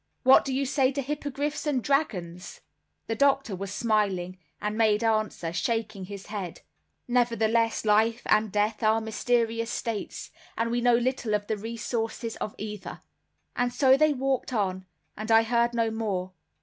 What do you say to hippogriffs and dragons?" The doctor was smiling, and made answer, shaking his head— "Nevertheless life and death are mysterious states, and we know little of the resources of either." And so they walked on, and I heard no more.